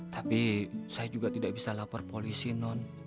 tapi saya juga tidak bisa lapor polisi non